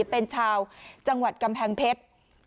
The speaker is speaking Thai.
เป็นชาวจังหวัดกำแพงเพชร